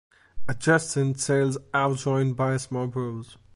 Adjacent cells are joined by small pores.